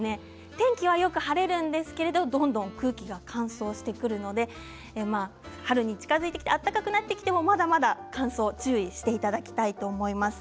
天気は、よく晴れるんですけれども、どんどん空気が乾燥してくるので春に近づいてきて温かくなってきてもまだまだ乾燥に注意していただきたいと思います。